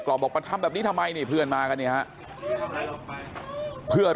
เกราะกลับ